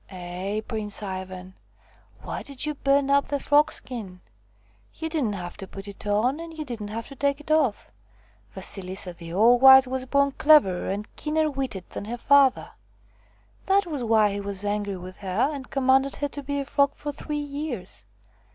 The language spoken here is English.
"Eh! Prince Ivan, why did you burn up the frogskin? You didn't have to put it on, and you didn't have to take it off. Vasilisa the All Wise was born cleverer and keener witted than her father. That was why he was angry with her and commanded her to be a frog for three years.